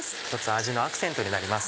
味のアクセントになります。